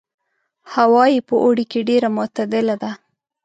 هوا یې په اوړي کې ډېره معتدله ده.